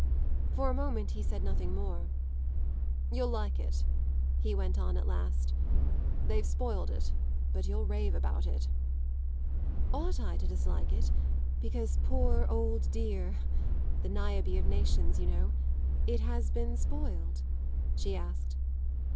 For a moment he said nothing more. "You'll like it," he went on at last. "They've spoiled it, but you'll rave about it." "Ought I to dislike it because, poor old dear the Niobe of Nations, you know it has been spoiled?" she asked.